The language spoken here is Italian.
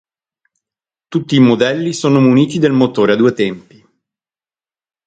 Tutti i modelli sono muniti del motore a due tempi.